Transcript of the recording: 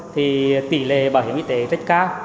thì tỷ lệ bảo hiểm y tế rất cao